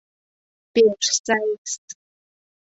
Пеш сай-с!